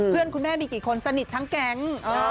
คุณแม่มีกี่คนสนิททั้งแก๊ง